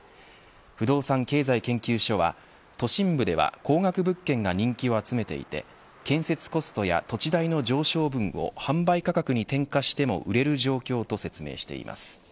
不動産経済研究所は都心部では高額物件が人気を集めていて建設コストや土地代の上昇分を販売価格に転嫁しても売れる状況と説明しています。